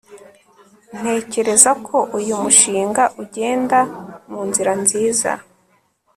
ntekereza ko uyu mushinga ugenda munzira nziza